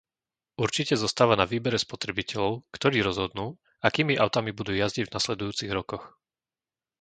Určite zostáva na výbere spotrebiteľov, ktorí rozhodnú, akými autami budú jazdiť v nasledujúcich rokoch.